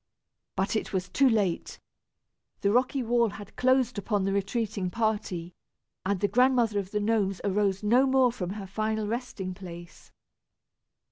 But it was too late. The rocky wall had closed upon the retreating party, and the Grandmother of the Gnomes arose no more from her final resting place.